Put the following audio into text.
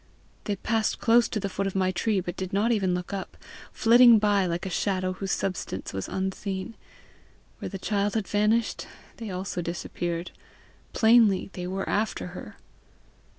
They passed close to the foot of my tree, but did not even look up, flitting by like a shadow whose substance was unseen. Where the child had vanished they also disappeared: plainly they were after her!